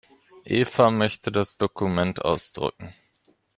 Eva möchte das Dokument ausdrucken.